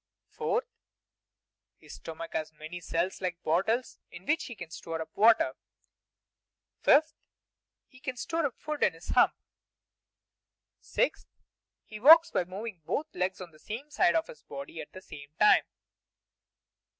4. His stomach has many cells like bottles, in which he can store up water. 5. He can store up food in his hump. 6. He walks by moving both legs on the same side of his body at the same time.